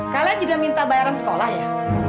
kalian juga minta bayaran sekolah ya